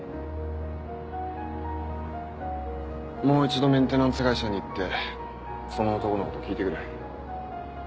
もう一度メンテナンス会社に行ってその男のことを聞いてくる。